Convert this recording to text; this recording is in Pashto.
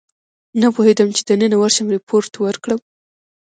نه پوهېدم چې دننه ورشم ریپورټ ورکړم.